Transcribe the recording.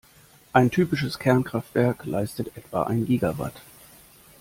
Ein typisches Kernkraftwerk leistet etwa ein Gigawatt.